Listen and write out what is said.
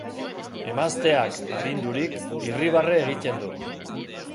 Emazteak, arindurik, irribarre egiten du.